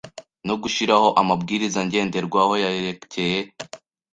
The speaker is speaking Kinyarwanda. no gushyiraho amabwiriza ngenderwaho yerekeye